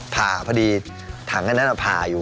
ผ่าพะดีถังนั่นว่าผ่าอยู่